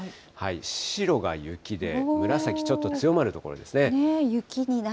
白が雪で、紫、ちょっと強まる所ですね。